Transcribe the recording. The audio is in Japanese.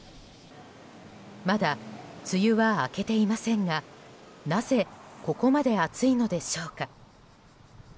まだ、梅雨は明けていませんがなぜ、ここまで暑いのでしょうか。